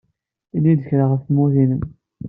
Ini-iyi-d kra ɣef tmurt-nnem.